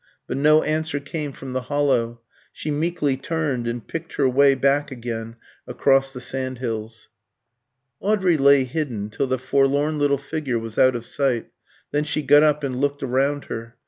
But no answer came from the hollow. She meekly turned, and picked her way back again across the sand hills. Audrey lay hidden till the forlorn little figure was out of sight; then she got up and looked around her.